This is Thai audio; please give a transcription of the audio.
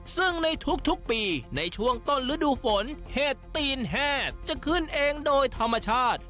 ซึ่งในทุกปีในช่วงต้นฤดูฝนเห็ดตีนแห้จะขึ้นเองโดยธรรมชาติ